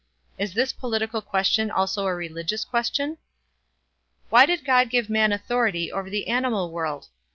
Is this political question also a religious question? Why did God give man authority over the animal world?